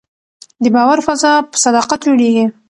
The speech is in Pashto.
د باور فضا په صداقت جوړېږي